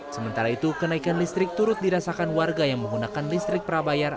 sementara itu kenaikan listrik turut dirasakan warga yang menggunakan listrik prabayar